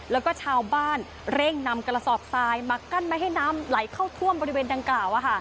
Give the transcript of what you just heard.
แล้วก็ชาวบ้านเร่งนำกระสอบทรายมากั้นไม่ให้น้ำไหลเข้าท่วมบริเวณดังกล่าว